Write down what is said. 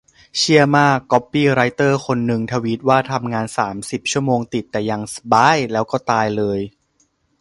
เชี่ยมาก ก๊อปปี้ไรเตอร์คนนึงทวีตว่า 'ทำงานสามสิบชั่วโมงติด แต่ยังสบ๊าย !' แล้วก็ตายเลย